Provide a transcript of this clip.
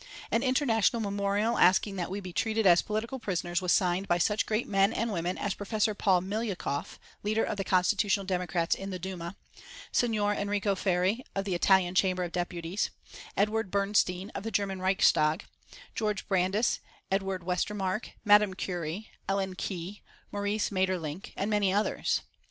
An international memorial asking that we be treated as political prisoners was signed by such great men and women as Prof. Paul Milyoukoff, leader of the Constitutional Democrats in the Duma; Signor Enrico Ferri, of the Italian Chamber of Deputies; Edward Bernstein, of the German Reichstag; George Brandes, Edward Westermarck, Madame Curie, Ellen Key, Maurice Maeterlinck, and many others.